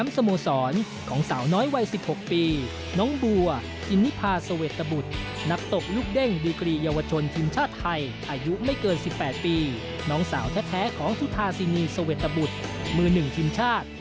สาวแท้ของสุธาษณีย์สุเวทบุตรมือหนึ่งจินชาติ